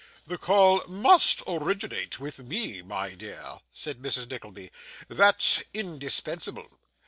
'The call MUST originate with me, my dear,' said Mrs. Nickleby, 'that's indispensable.